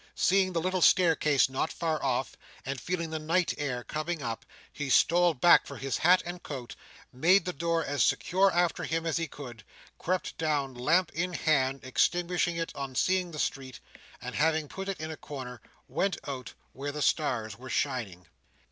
Seeing the little staircase not far off, and feeling the night air coming up, he stole back for his hat and coat, made the door as secure after him as he could, crept down lamp in hand, extinguished it on seeing the street, and having put it in a corner, went out where the stars were shining.